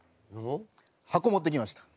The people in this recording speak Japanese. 箱持ってきました。